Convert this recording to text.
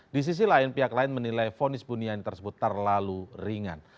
di sisi lain pihak lain menilai fonis buniani tersebut terlalu ringan